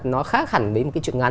nó khác hẳn với một cái chuyện ngắn